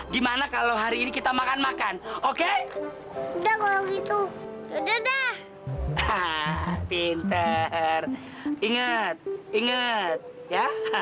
gimana kalau hari ini kita makan makan oke udah kalau gitu udah dah pinter inget inget ya